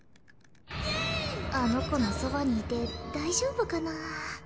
あの子のそばにいて大丈夫かな？